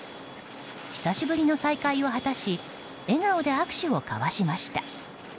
久しぶりの再会を果たし笑顔で握手を交わしました。